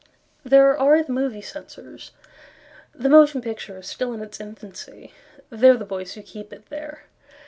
There are the Movie Censors, The motion picture is still in its infancy, They are the boys who keep it there.